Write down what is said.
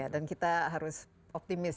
dan kita harus optimis ya